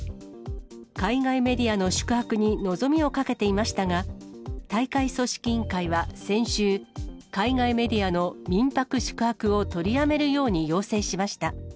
海外メディアの宿泊に望みをかけていましたが、大会組織委員会は先週、海外メディアの民泊宿泊を取りやめるように要請しました。